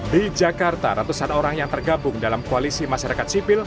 di jakarta ratusan orang yang tergabung dalam koalisi masyarakat sipil